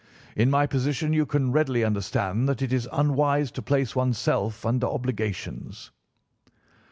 In my position you can readily understand that it is unwise to place one's self under obligations.